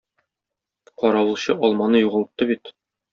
Каравылчы алманы югалтты бит.